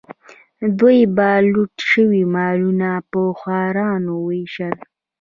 دوی به لوټ شوي مالونه په خوارانو ویشل.